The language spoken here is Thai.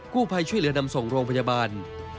ผู้ภัยช่วยเหลือนำส่งโรงพยาบาล